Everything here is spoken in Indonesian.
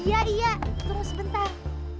iya iya tunggu sebentar